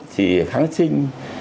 thì kháng sinh